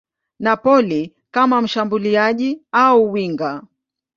Napoli kama mshambuliaji au winga.